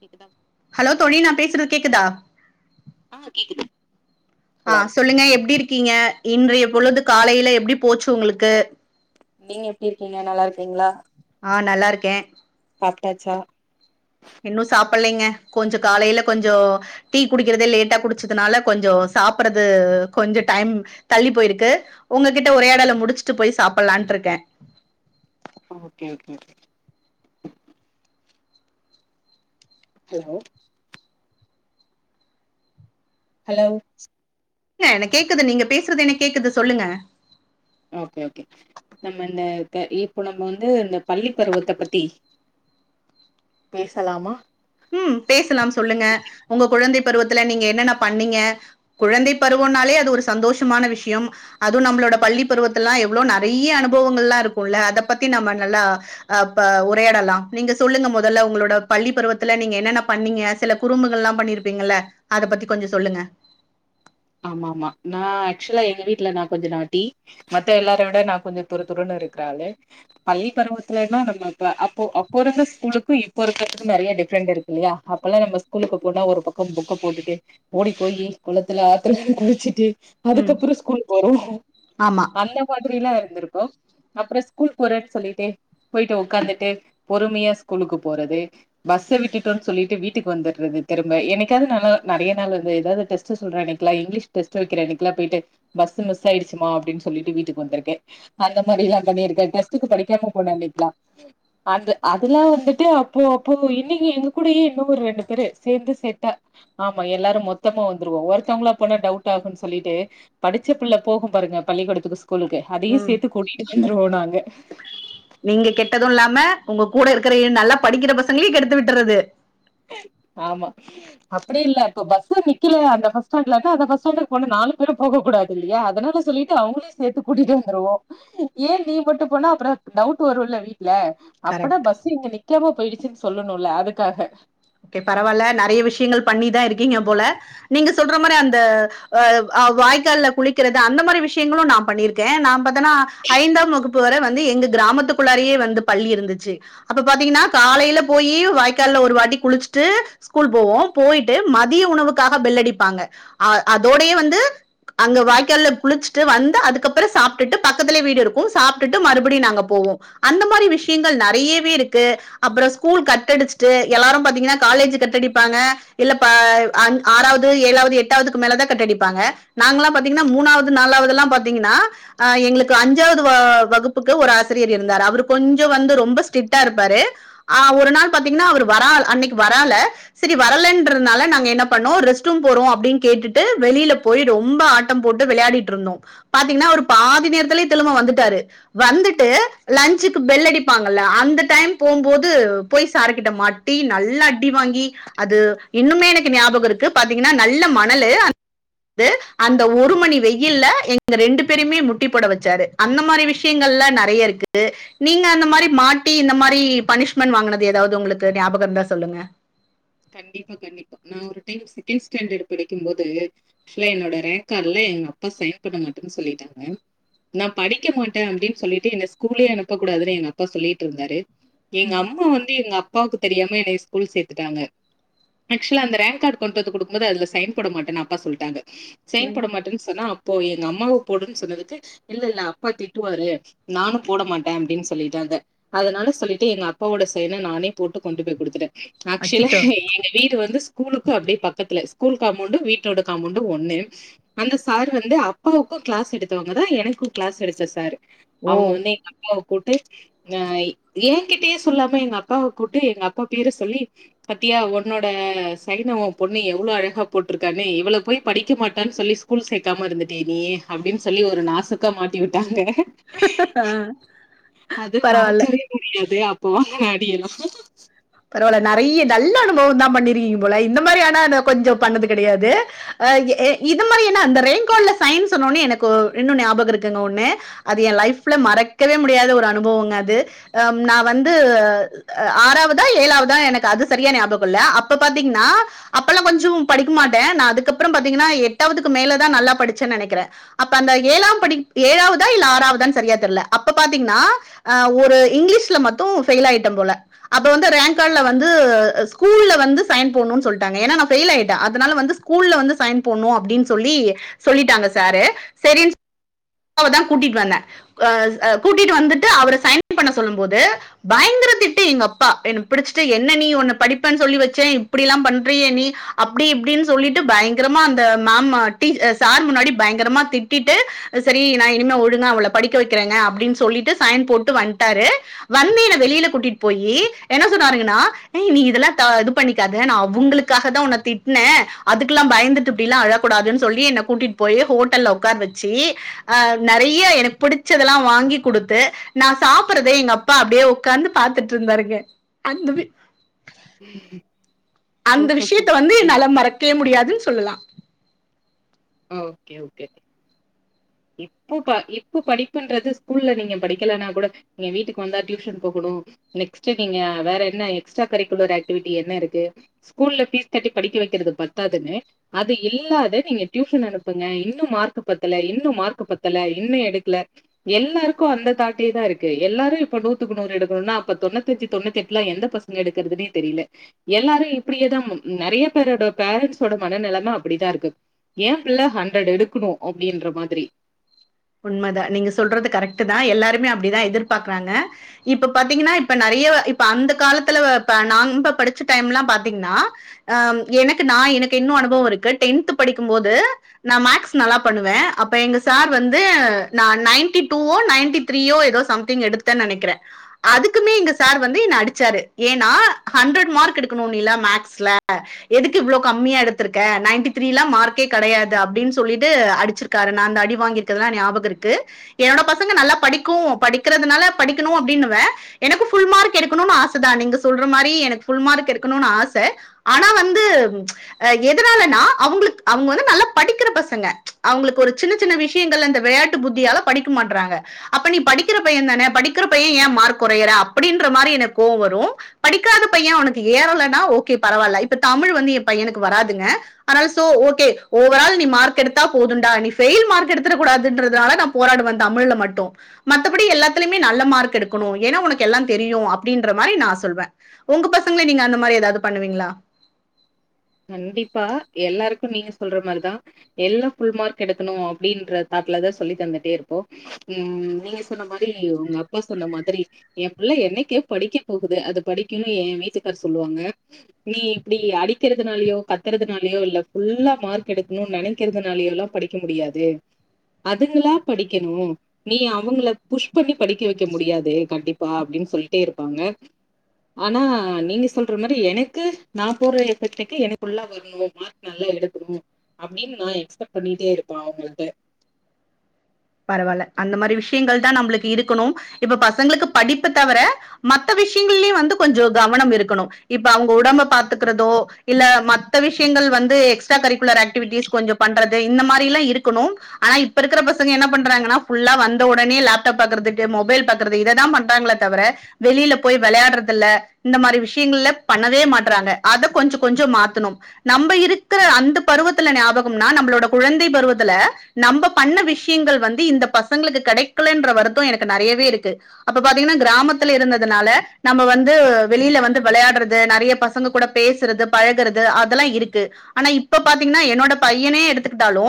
கேக்குதா ஹலோ தோழி நா பேசுறது கேக்குதா ஆ கேக்குது ஆ ஹலோ சொல்லுங்க எபடி இருக்கீங்க இன்றைய பொழுது காலைல எப்டி போச்சு உங்ளுக்கு நீங்க எப்டி இருக்கீங்க நல்லா இருக்கீங்களா ஆ நல்லா இருக்கே சாப்ட்டாச்சா இன்னு சாப்பலைங்க கொஞ்ச காலைல கொஞ்சோ டீ குடிக்கறதே லேட்டா குடிச்சதுனால கொஞ்ச சாப்பறது கொஞ்ச டைம் தள்ளி போயிருக்கு உங்ககிட்ட உரயாடல முடிச்சுட்டு போய் சாப்பலான்னு இருக்க okay okay okay hello hello இல்ல என்ன கேக்குது நீங்க பேசுறது எனக் கேக்குது சொல்லுங்க ஓகே ஓகே நம்ம இந்த இப்ப இப்போ நம்ம வந்து இந்த பள்ளி பருவத்த பத்தி பேசலாமா ம் பேசலாம் சொல்லுங்க உங்க குழந்தை பருவத்துல நீங்க என்னென்ன பண்ணீங்க குழந்தை பருவம்னாலே அது ஒரு சந்தோஷமான விஷயம் அதுவும் நம்மளோட பள்ளி பருவத்துல எல்லாம் எவ்ள நறைய அனுபவங்கள் எலாம் இருக்கும்ல்ல அத பத்தி நம்ம நல்லா அப்ப உரயாடலாம் நீங்க சொல்லுங்க மொதல்ல உங்களோட பள்ளி பருவ த்துல நீங்க என்னென்ன பண்ணீங்க சில குறும்புகள்லாம் பண்ணிருப்பீங்கல அத பத்தி கொஞ்ச சொல்லுங்க ஆமா ஆமா நா ஆக்சுவலா எங்க வீட்ல நான் கொஞ்ச நாட்டி மத்த எல்லாரயும் விட நா கொஞ்ச துரு துருன்னு இருக்கற ஆளு பள்ளி பருவத்துலன்னா நம்ம அப்போ அப்போ இருந்த ஸ்கூலுக்கும் இப்போ இருக்கறதுக்கு நறைய டிஃப்ரெண்ட் இருக்கு இல்லயா அப்பல்லாம் நம்ம ஸ்கூலுக்கு போனா ஒரு பக்கம் புக்க போட்டுட்டு ஓடி போய் குளத்துல டிச்சுட்டு ம் அதுக்கப்றம் ஸ்கூல் போறோம் ஆமா அந்த மாதிரிலாம் இருந்துருக்கோ அப்றம் ஸ்கூல் போறன்னு சொல்லிட்டு போயிட்டு ஓக்காந்துட்டு பொறுமையா ஸ்கூலுக்கு போறது பஸ்ஸ விட்டுட்டோன்னனு சொல்லிட்டு வீட்டுக்கு வந்துறது திரும்ப எனனைக்காவது நா நறைய நாள் ஏதாது டெஸ்ட்டு சொல்றன்க்கு இங்கிலீஷ் டெஸ்ட் வக்கற அன்னிக்கல்லா போயிட்டு பஸ் மிஸ் ஆயிடுச்சுமா அப்டின்னு சொல்லிட்டு வீட்டுக்கு வந்துருக்க அந்த மாரிலா பண்ணிருக்கே டெஸ்டுக்கு படிக்காம போன அன்னிக்கல்லா அந்த அதல்லா வந்துட்டு அப்போ அப்போ இன்னைக்கு எங்கூடயே இன்னு ஒரு ரெண்டு பேரு சேந்து சேட்ட ஆமா எல்லாரு மொத்தமா வந்துருவோ ஒருத்தவங்கள போன டவுட் ஆகனு சொல்லிட்டு படிச்ச பிள்ள போகும் பாருங்க பள்ளிக்கூடத்துக்கு ஸ்கூலுக்கு அதயும் ம் சேத்து கூட்டி [unintelligible] நாங்க நீங்க கெட்டதும் இல்லாம உங்க கூட இருக்கற எ நல்லா படிக்கற பசங்களையு கெடுத்து விட்டுறது ஆமா அப்டி இல்ல இப்ப பஸ்ஸு நிக்கலயா அந்த பஸ் ஸ்டாண்ட்ல அந்த பஸ்ஸாண்டக்கு போன நாலு பேரும் போக கூடாது இல்லயா அதனால சொல்லி அவங்களையும் சேத்து கூட்டிட்டு வந்துருவோ ஏ நீ மட்டு போன அப்புற டவுட் வருல வீட்ல அப்படா கரெக்ட் பஸ் இங்க நிக்காம போயிடுச்சுன்னு சொல்லணும்ல அதுக்காக ஓகே பரவால்ல நறைய விஷயங்கள் பண்ணிதா இருக்கீங்க போல நீங்க சொல்ற மாரி அந்த அ வாய்க்கால்ல குளிக்கறது அந்த மாரி விஷயங்களு நா பண்ணிருக்க நா ஏனா ஐந்தாம் வகுப்பு வர வந்து எங்க கிராமத்துக் ள்ளாரயே வந்து பள்ளி இருந்துச்சு அப்ப பாத்தீங்கன்னா காலைல போயி வாய்க்கால்ல ஒரு வாட்டிக் குளிச்சுட்டு ஸ்கூல் போவோ போயிட்டு மதிய உணவுக்காக பெல்லடிப்பாங்க அ அதோடயே வந்து அங்க வாய்க்கால்ல குளிச்சுட்டு வந்து அதுக்கப்ற சாப்ட்டுட்டு பக்கத்துலயே வீடு இருக்கும் சாப்ட்டுட்டு மறுபடியு நாங்க போவோம் அந்த மாரி விஷயங்கள் நெறயவே இருக்கு அப்றோ ஸ்கூல் கட்டடிச்சுட்டு எல்லாரும் பா திங்கனா காலேஜ் கட்டடிப்பாங்க இல்ல ப அ ஆறாவது ஏழாவது எட்டாவதுக்கு மேலதா கட்டடிப்பாங்க நாங்கலா பாத்தீங்கன்னா மூனாவது நாலாவதுலா பாத்தீங்கன்னா ஆ எங்களுக்கு அஞ்சாவது வ வகுப்புக்கு ஒரு ஆசிரியர் இருந்தாரு அவுரு கொஞ்சோ வந்து ரொம்ப ஸ்ட்ரிக்டா இருப்பாரு ஆ ஒரு நாள் பாத்தீங்கன்னா அவர் வரால் அன்னிக்கு வரால செரி வரலன்றனால நாங்க என்ன பண்ணோ ரெஸ்ட்ரூம் போறோ அப்பிடின் கேட்டுட்டு வெளியில போய் ரொம்ப ஆட் டம் போட்டு விளையாடிட்டுருந்தோ பாத்தீங்கன்னா ஒரு பாதி நேரத்திலே திலும்ப வந்துட்டாரு வந்துட்டு லஞ்சுக்கு பெல்லடிப்பாங்கல்ல அந்த டைம் போம்போது போய் சார்கிட்டமாட்டி நல் ல்ல அடி வாங்கி அது இன்னுமே எனக்கு ஞாபகோ இருக்கு பாத்தீங்கன்னா நல்ல மணலு அந் து அந்த ஒரு மணி வெயில்ல எங்க ரெண்டு பேரயுமே முட்டி போடவச்சாரு அந்த மாரி விஷ்யங்கல்லா நெறைய இருக்கு நீங்க அந்த மாரி மாட்டி இந்த மாரி பணிஷ்மெண்ட் வாங்கனது எதாவது உங்களுக்கு ஞாபகோ இருந்தா சொல்லுங்க கண்டிப்பா கண்டிப்பா நா ஒரு டைம் செகண்ட் ஸ்டாண்டர்டு படிக்கும் போது க்ஸுலா என்னோட ரேங்க்கார்ல எங்க அப்பா சைன் பண்ணமாட்டன் சொல்லிட்டாங்க நா படிக்கமாட்டே அப்பிடின் சொல்லிட்டு என்ன ஸ்கூல்லே அனுப்ப கூடாதுன்னு எங்கப்பா சொல்லிட்டுருந்தாரு எங்க அம்மா வந்து எங்க அப்பாவுக்கு தெரியாம என்னைய ஸ்கூல் சேத்துட்டாங்க ஆக்சுலா அந்த ரேங்க் கார்டு கொண்டு வத்து குடுக்குபோது அதுல சைன் போடமாட்டன் அப்பா சொல்ட்டாங்க சைன் போடமாட்டேன் சொன்னா அப் ப்போ எங்க அம்மாவ போடுன் சொன்னதுக்கு இல்ல இல்ல அப்பா திட்டுவாரு நானு போட மாட்டே அப்பிடின் சொல்லிட்டாங்க அதனால சொல்லிட்டு எங்க அப்பாவோட சைன நானே போட்டு கொண்டுபோய் குடுத்துட்டே டில அச்சுச்சோ எங்க வீடு வந்து ஸ்கூலுக்கு அப்டியே பக்கத்துல ஸ்கூல் காமொண்டு வீட்டோட காமொண்டு ஒன்னு அந்த சார் வந்து அப்பாவுக்கு கிளாஸ் எடுத்தவங்கதா எனக்கு கிளாஸ் எடுத்த சார் ஓ அவங்க வந்து அப்பாவ கூட்டு அ ஏகிட்டயே சொல்லாம எங்க அப்பாவ கூட்டு எங்க அப்பா பேர சொல்லி பாத்தியா ஒன்னோட சைன ஓ பொண்ணு எவ்ளோ அழகா போட்ருக்கானு இவள போய் படிக்க மாட்டான்னு சொல்லி ஸ்கூல் சேக்காம இருந்துட்டியே நீ அப்டின்னு சொல்லி ஒரு நாசுக்காமாட்டி விட்டாங்க ஆ அது பரவால்ல மறக்கவே முடியாது அப்ப வாங்கன அடியெல்லா பரவால நெறைய நல்ல அனுபவம் தா பண்ணிருக்கீங்க போல இந்த மாரியான நா கொஞ்சோ பண்ணது கெடையாது ஆ எ இது மாரி என்ன அந்த ரேங்கால சைன் சொன்னோன்னே எனக்கோ இன்னு ஞாபகோ இருக்குங்க ஒன்னு அது ஏ லைஃப்ல மறக்கவே முடியாத ஒரு அனுபவங்க அது அம் நா வந்து ஆறாவ ஏழாவதா எனக்கு அது சரியா ஞாபகோ இல்ல அப்ப பாத்தீங்கன்னா அப்பெல்லா கொஞ்சம் படிக்கமாட்டே நா அதுக்கப்புறோ பாத்தீங்கன்னா எட்டாவதுக்கு மேலதா நல்லா படிச்சேன் நெனைக்கிறே அப்ப அந்த ஏழாம் படி ஏழாவதா இல்ல ஆறாவதான் சரியா தெரியல அப்ப பாத்தீங்கன்னா ஆ ஒரு இங்கிலீஷ்ல மத்து ஃபெயில் ஆயிட்ட போல இது வந்து ரேங்க் கார்ல வந்து ஸ்கூல்ல வந்து சைன் போணு சொல்ட்டாங்க ஏனா நா ஃபெயில் ஆயிட்டே அதனால வந்து ஸ்கூல்ல வந்து சைன் போடணும் அப்டின்னு சொல்லி சொல்லிட்டாங்க சாரு சரின் ப்பாவதா கூட்டிட்டு வந்தே க ஆ கூட்டிட்டு வந்துட்டு அவர சைன் பண்ண சொல்லு போது பயங்கர திட்டு எங்கப்ப ப்பா என்ன பிடிச்சிட்டு என்ன நீ உன்ன படிப்பேன் சொல்லி வச்சே இப்பிடில்லா பண்றியே நீ அப் அப்பிடி இப்பிடின்னு சொல்லிட்டு பயங்கரமா அந்த மேம்ம டீ சார் முன்னாடி பயங்கரமா திட்டிட்டு சரி நா இனிமே ஒழுங்க அவள படிக்க வைக்கிறேங்க அப்பிடின் சொல்லிட்டு சைன் போட்டு வந்ட்டாரு வந்து என்ன வெளியில கூட்டிட்டு போயி என்ன சொன்னாருங்கன்னா ஏ நீ இதெல்லாதா இது பண்ணிக்காத நா அவுங்களுக்காகதா உன்ன திட் ன்னே அதுக்கெல்லா பயந்துட்டு இப்டியெல்லா அழக்கூடாதுன்னு சொல்லி என்ன கூட்டிட்டு போய் ஹோட்டல்ல உக்கார வச்சி அ நெறைய எனக்கு புடிச்சதெல்லா வாங்கி குடுத்து நா சாப்பறத எங்க அப்பா அப்டியே உக்காந்து பாத்துட்டு இருந்தாருங்க அந்த பி அந்த சூப்பர், விஷயத்த வந்து சூப்பர். என்னால மறக்கவே முடியாதுன் சொல்லலா ஓகே ஓகே இப்போ ப இப்ப படிப்புன்றது ஸ்கூல்ல நீங்க படிக்கலேனா கூட நீங்க வீட்டுக்கு வந்தா டியூஷன் போகணும் நெக்ஸ்ட் நீங்க வேற என்ன எக்ஸ்ட்ரா கரிக்குலர் ஆக்டிவிட்டி என்ன இருக்கு ஸ்கூல்ல பீஸ் கட்டி படிக்க வைக்கிறது பத்தாதுன்னு அது இல்லாத நீங்க டியூஷன் அனுப்புங்க இன்னும் மார்க் பத்தல இன்னும் மார்க் பத்தல இன்னும் எடுக்கல எல்லாருக்கும் அந்த தாட்டே தா இருக்கு எல்லாரும் இப்ப நூத்துக்குநூறு எக்கணுன்னா அப்ப தொண்ணூத்தஞ்சு தொண்ணூத்தெட்ல்லா எந்த பசங்க ங்க எடுக்குறதுனே தெரியல எல்லாரும் இப்டியேதா நெறைய பேரோட பேரண்ஸ்ஸோட மனநெலம அப்டிதா இருக்கு ஏ பிள்ள ஹண்ட்ரட் எடுக்கணும் அப்டின்ற மாதிரி உண்மதா நீங்க சொல்றது கரெக்ட் தா எல்லாருமே அப்டிதா எதிர்பாக்கறாங்க இப்ப பாத்தீங்கன்னா இப்ப நறைய இப்ப அந்த காலத்துல இப்ப நம்ப படிச்ச டைம்ல்லா பாத்தீங்கன்னா ஆ எனக்கு நா எனக்கு இன்னும் அனுபவம் இருக்கு டென்த் படிக்கும் போது நா மேக்ஸ் நல்லா பண்ணுவே அப்ப எங்க சார் வந்து ந்து நா நயண்டி டூவோ நயண்டி த்ரீயோ ஏதோ சம்திங் எடுத்தேன்னு நெனைக்கிறே அதுக்குமே எங்க சார் வந்து என்ன அடிச்சாரு ஏன்னா ஹண்ட்ரட் மார்க் எடுக்கணும் நீல்லா மேக்ஸ்ல எதுக்கு இவ்ளோ கம்மியா எடுத்திருக்க நயன்டி த்ரீல்லா மார்கே கெடையாது அப்டின்னு சொல்லிட்டு அடிச்சிரு க்காரு நா அந்த அடி வாங்கிருக்கதா ஞாபகம் இருக்கு என்னோட பசங்க நல்லா படிக்கும் படிக்கிறதுனால படிக்கணும் அப்டின்னுவே எனக்கு ஃபுல் மார்க் எடுக்கணும்னு ஆச தா நீங்க சொல்ற மாரி எனக்கு ஃபுல் மார்க் எடுக்கனுன்னு ஆச ஆனா வந்து எதனாலன்னா அவங்களுக்கு அவங்க வந்து நல்லா படிக்கிற பசங்க அவங்களுக்கு ஒரு சின்ன சின்ன விஷ் ஷயங்கள் அந்த விளையாட்டு புத்தியால படிக்க மாட்றாங்க அப்ப நீ படிக்கிற பையே தான படிக்கிற பையே ஏ மார்க் கொறையற அப்டின்ற மாரி எனக்கு கோவோ வரும் படிக்காத பையன் உனக்கு ஏறலேன்னா ஓகே பரவால்ல இப்ப தமிழ் வந்து ஏ பையனுக்கு வராதுங்க அதனால சோ ஓகே ஓவரால் நீ மார்க் எடுத்தா போதுண்டா நீ ஃபெயில் மார்க் எடுத்த த்துற கூடாதுன்றதால நா போராடுவே தமிழ்ல மட்டும் மத்தபடி எல்லாத்துலயுமே நல்ல மார்க் எடுக்கணும் ஏன்னா உனக்கு எல்லாம் தெரியும் அப்டின்ற மாரி நா சொல்வே உங்க பசங்கள நீங்க அந்த மாரி ஏதாவது பண்ணுவீங்களா கண்டிப்பா எல்லாருக்கும் நீங்க சொல்ற மாரிதா எல்லா ஃபுல் மார்க் எடுக்கணு அப்டின்ற தாட்டுலதா சொல்லி தந்துட்டே இருப்போ ம் நீங்க சொன்ன மாரி உங்க அப்பா சொன்ன மாதிரி ஏ புள்ள என்னைக்க படிக்க போகுது அது படிக்குனு ஏ வீட்டுக்கார் சொல்லுவாங்க நீ இப்டி அடி க்குறதுனாலயோ கத்துறதுனாலயோ இல்ல ஃபுல்லா மார்க் எடுக்கணுன் நெனக்கிறதுனாலயோல்லா படிக்க முடியாது அதுங்களா படிக்கணுமோ நீ அவங்கள புஷ் பண்ணி படிக்க வெக்க முடியாது கண்டிப்பா அப்டின் சொல்லிட்டே இருப்பாங்க ஆனா நீங்க சொல்ற மாரி எனக்கு நா போற பிரச்சனைக்கு எனக்குல்லா வரணு மார்க் நல்லா எடுக்கணு அப்டின்னு நா எக்ஸ்பெட் பண்ணிட்டே இருப்பே அவங்களுக்கு பரவால்ல அந்த மாரி விஷயங்கள் தா நம்மளுக்கு இருக்கணு இப்ப பசங்களுக்கு படிப்ப தவர மத்த விஷயங்கள்லயு வந்து கொஞ்சம் கவனம் இருக்கணு இப்ப அவங்க உடம்ப பாத்துக்கிறதோ இல்ல மத்த விஷயங்கள் வந்து எக்ஸ்ட்ரா கரிக்குலர் ஆக்டிவிட்டிஸ் கொஞ்சம் பண்றது இந்த மாரி எல்லா இருக்கணு ஆனா இப்ப இருக்கிற பசங் பசங்க என்ன பண்றாங்கன்னா ஃபுல்லா வந்த உடனே லேப்டாப் பாக்கறதுட்டு மொபைல் பாக்கறது இததா பண்றாங்களே தவர வெளில போய் வெளைட்றதில்ல இந்த மாரி விஷயங்கள்ல பண்ணவே மாட்றாங்க அத கொஞ்ச கொஞ்ச மாத்தணு நம்ம இருக்குற அந்த பருவத்துல்ல ஞாபகம்னா நம்மளோட குழைந்தை பருவத்துல நம்ம பண்ண விஷ் விஷங்கள் வந்து இந்த பசங்களுக்கு கெடக்கலேன்ற வருத்தோ எனக்கு நெறையவே இருக்கு அப்ப பாத்தீங்கன்னா கிராமத்துல இருந்ததுனால நம்ம வந்து வெளியில வந்து வெளையாட்றது நெறைய பசங்க கூட பேசுறது பழகுறது அதெல்லா இருக்கு ஆனா இப்ப பாத்தீங்னா என்னோட பையனே எடுத்துக்கிட்டாலு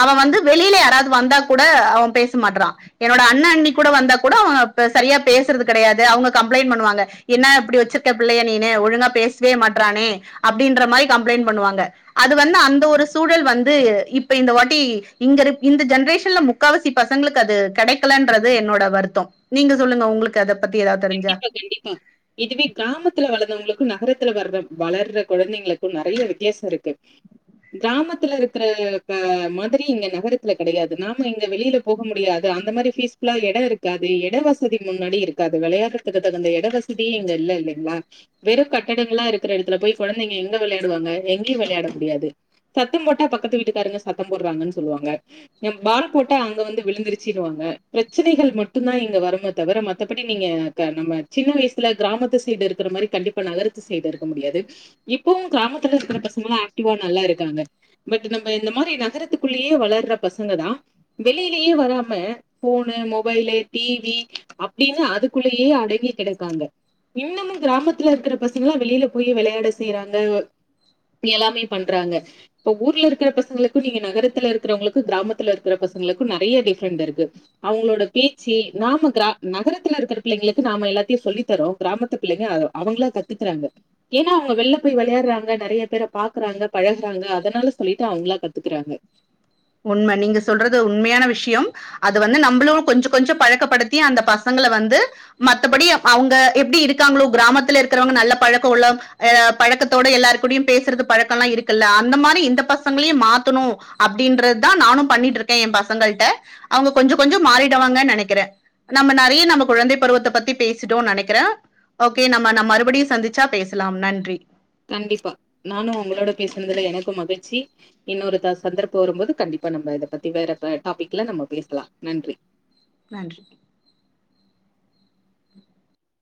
அவ வந்து வெளியில யாராவது வந்தா கூட அவ பேச மாட்ற்றா என்னோட அண்ணா அண்ணி கூட வந்தா கூட அவங்க சரியா பேசுறது கெடையாது அவங்க கம்ளைன் பண்ணுவாங்க என்ன இப்டி வச்சிருக்க பிள்ளைய நீனு ஒழுங்கா பேசவே மாட்றானே அப்டின்ற மாரி கம்ப்ளைண்ட் பண்ணுவாங்க அது வந்து அந்த ஒரு சூழல் வந்து இப்ப இந்த வாட்டி இங்க இரு இந்த ஜென்ரேஷன் முக்காவசி பசங்களுக்கு அது கெடைக்கலன்றது என்னோட வருத்தொ நீங்க சொல்லுங்க உங்களுக்கு அத பத்தி ஏதாவது தெரிஞ்சா கண்டிப்பா, கண்டிப்பா இதுவே கிராமத்துல வளந்தவங்களுக்கு நகரத்துல வர்ற வளர்ற கொழந்தைங்களுக்கு நெறைய வித்தியாசொ இருக்கு கிராமத்துல இருக்கிற மாதிரி இங்க நகரத்துல கெடையாது நாம இங்க வெளியில போக முடியாது அந்த மாரி பீஸ்புல்லா எட இருக்காது எட வசதி முன்னாடி இருக் க்காது வெளையாட்றதுக்கு தகுந்த எட வசதியே இங்க இல்ல இல்லேங்ளா வெறு கட்டடங்களா இருக்கிற எடத்துல போய் கொழந்தைங்க எங்க வெளையாடுவாங்க எங்கேயு வெளையாட முடியாது சத்தம் போட்டா பக்கத்து வீட்டுக்காரங்க சத்தம் போட்றாங்கன் சொல்லுவாங்க எ பால் போட்ட அங்க வந்து விழுந்துருச்சின்னுவாங்க பிரச்சனைகள் மட்டு தா இங்க வரமா தவிர மத்தபடி நீங்க நம்ம சின்ன வயசுல கிராமத்து சைடு ருக்குற மாரி கண்டிப்பா நகரத்து சைடு ருக்க முடியாது இப்பவு கிராமத்துல ருக்குற பசங்கல்லா ஆக்டிவா நல்லா இருக்காங்க பட் நம்ம இந்த மாரி நகரத்துக்குள்ளயே வளர்ற பசங்க தா வெளியிலேயே வராம போனு மொபைலு டிவி அப்டின்னு அதுக்குள்ளயே அடங்கி கெடக்காங்க இன்னமும் கிராமத்துல ருக்குற பசங்கல்லா வெளியில போய் விளையாட செய்யிறாங்க மி எல்லாமே பண்றாங்க இப்ப ஊர்ல இருக்கற பசங்களுக்கு நீங்க நகரத்துல இருக்கறவங்களுக்கு கிராமத்துல இருக்கற பசங்களுக்கு நெறைய டிஃப்ரெண்ட் இருக்கு அவங்களோட பேச்சி நாம கிரா நகரத்துல ருக்கற பிள்ளைங்களுக்கு நாம எல்லாத்தையு சொல்லி தரோ கிராமத்து பிள்ளைங்க அவங்களா கத்துக்குறாங்க ஏன்னா அவங்க வெளில போய் வெளையாட்றாங்க நெறைய பேர பாக்குறாங்க பழகுறாங்க அதனால சொல்லிட்டு அவங்ளா கத்துக்குறாங்க உண்ம நீங்க சொல்றது உண்மையான விஷ்யம் அது வந்து நம்மளு கொஞ்ச கொஞ்ச பழக்கப்படுத்தி அந்த பசங்கள வந்து மத்தபடி அவுங்க எப்டி இருக்காங்களோ கிராமத்துல இருக்கிறவங்க நல்ல பழக்கோ உள்ள அ பழக்கத்தோட எல்லார் கூடயு பேஸ்றது பழக்க ல்லா இருக்குல்ல அந்த மாரி இந்த பசங்களையு மாத்தணு அப் அப்டின்றத்தா நானு பண்ணிட்ருக்கே எ பசங்கள்ட அவுங்க கொஞ்சோ கொஞ்சோ மாறிடுவாங்கன் நெனக்கிறே நம்ம நெறைய நம்ம குழந்தை பருவத்த பத்தி பேசிட்டோனு நெனைக்கிற ஓகே நம்ம நம்ப மறுபடியு சந்திச்சா பேசலா நன்றி கண்டிப்பா நானு உங்களோட பேசுனதுல எனக்கும் மகிழ்ச்சி இன்னொருதா சந்தர்ப்ப வரும்போது கண்டிப்பா நம்ம இத பத்தி வேற ப டாபிக்ல நம்ம பேசலா நன்றி நன்றி